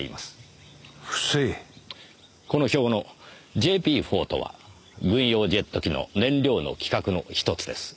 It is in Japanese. この表の「ＪＰ−４」とは軍用ジェット機の燃料の規格の１つです。